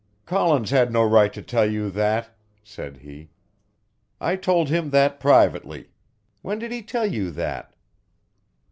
"Collins had no right to tell you that," said he, "I told him that privately. When did he tell you that?"